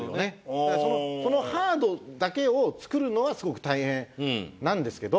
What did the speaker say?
だからそのこのハードだけを作るのはすごく大変なんですけど。